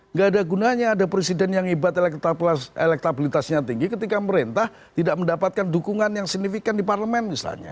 nggak ada gunanya ada presiden yang hebat elektabilitasnya tinggi ketika merintah tidak mendapatkan dukungan yang signifikan di parlemen misalnya